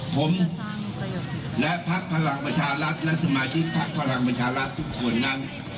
ผมและพักพลังประชารัฐและสมาชิกพักพลังประชารัฐทุกคนนั้น